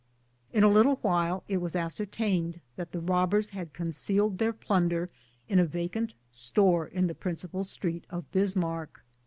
In a little while it was ascertained that the robbers had concealed their plunder in a vacant store in the principal street of Bismarck.